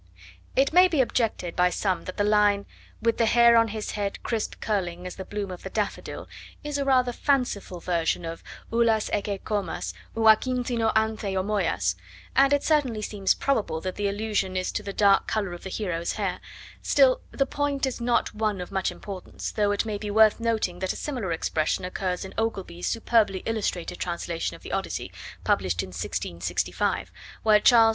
It may be objected by some that the line With the hair on his head crisp curling as the bloom of the daffodil, is a rather fanciful version of [Greek text] and it certainly seems probable that the allusion is to the dark colour of the hero's hair; still, the point is not one of much importance, though it may be worth noting that a similar expression occurs in Ogilby's superbly illustrated translation of the Odyssey, published in 1665, where Charles II.'